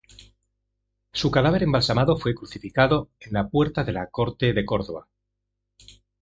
Su cadáver embalsamado fue crucificado en la Puerta de la Corte de Córdoba.